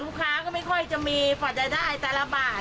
ลูกค้าก็ไม่ค่อยจะมีฝนได้ตาละบาล